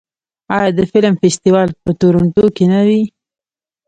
آیا د فلم فستیوال په تورنټو کې نه وي؟